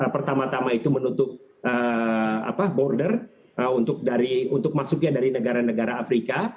pertama tama itu menutup border untuk masuknya dari negara negara afrika